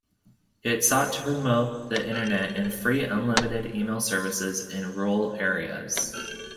It sought to promote the Internet and free unlimited email services in rural areas.